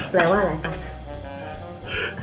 แปลว่าอะไรคะ